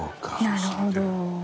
なるほど。